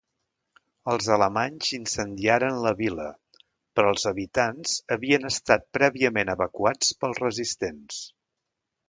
Els alemanys incendiaren la vila, però els habitants havien estat prèviament evacuats pels resistents.